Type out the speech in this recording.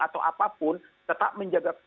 atau apapun tetap menjaga